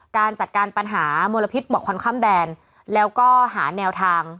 การจัดการปัญหามลพิษหมอควันข้ามแดนแล้วก็หาแนวทาง